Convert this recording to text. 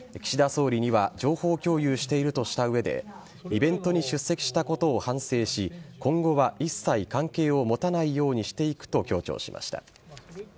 総理には情報共有しているとした上でイベントに出席したことを反省し今後は一切関係を持たないようにしていくと強調しました。